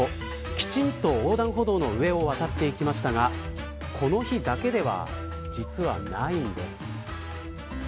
きちんと横断歩道の上を渡ってきましたがこの日だけでは実はないんです。